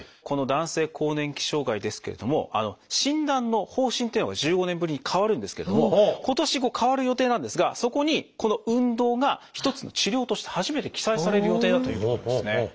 この男性更年期障害ですけれども診断の方針っていうのが１５年ぶりに変わるんですけれども今年変わる予定なんですがそこにこの「運動」が一つの治療として初めて記載される予定だということですね。